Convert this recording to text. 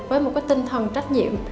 với một cái tinh thần trách nhiệm